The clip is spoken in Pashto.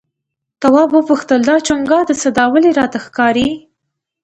تواب وپوښتل دا چونگا د څه ده ولې راته ښکاري؟